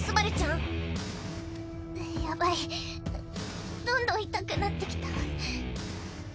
うっやばいどんどん痛くなってきた。